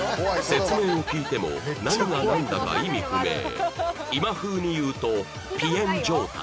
説明を聞いても何が何だか意味不明今風に言うとぴえん状態